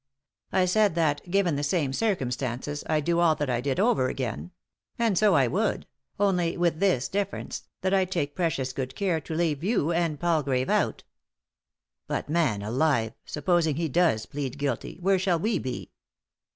I said that, given the same circum stances, I'd do all that I did do over again ; and so I would— only with this difference, that I'd take precious good care to leave you and Palgrave out" " But, man alive I supposing he does plead guilty, where shall we be